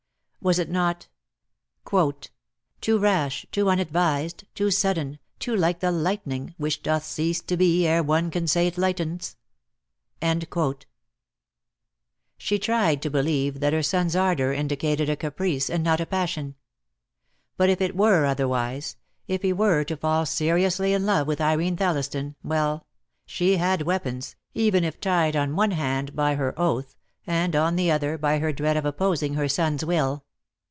Was it not "too rash, too unadvised, too sudden, Too like the lightning, which doth cease to be Ere one can say it lightens?" She tried to believe that her son's ardour in dicated a caprice and not a passion. But if it were otherwise — if he were to fall seriously in love with Irene Thelliston, well — she had weapons, even if tied on one hand by her oath, and on the other by her dread of opposing her son's will.